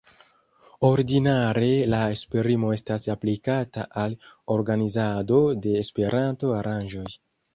Ordinare la esprimo estas aplikata al organizado de Esperanto-aranĝoj.